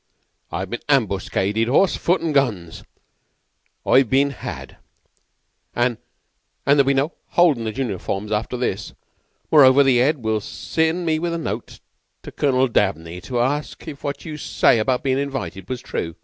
I've been ambuscaded. Horse, foot, an' guns, I've been had, an' an' there'll be no holdin' the junior forms after this. M'rover, the 'Ead will send me with a note to Colonel Dabney to ask if what you say about bein' invited was true."